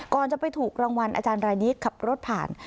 ก่อนจะไปถูกรางวัลอาจารย์รายนี้ขับรถผ่าน